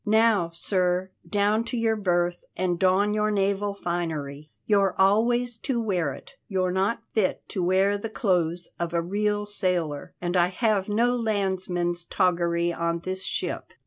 Now, sir, down to your berth, and don your naval finery. You're always to wear it; you're not fit to wear the clothes of a real sailor, and I have no landsman's toggery on this ship."